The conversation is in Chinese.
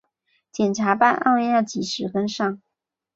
检察办案要及时跟上